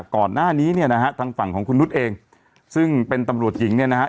ก่อนหน้านี้เนี่ยนะฮะทางฝั่งของคุณนุษย์เองซึ่งเป็นตำรวจหญิงเนี่ยนะฮะ